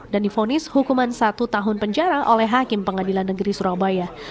dan difonis hukuman satu tahun penjara oleh hakim pengadilan negeri surabaya